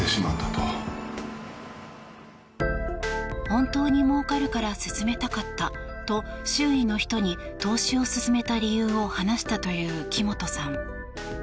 本当にもうかるから勧めたかったと周囲の人に投資を勧めた理由を話したという木本さん。